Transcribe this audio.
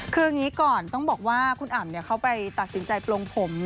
คืออย่างนี้ก่อนต้องบอกว่าคุณอ่ำเขาไปตัดสินใจปลงผม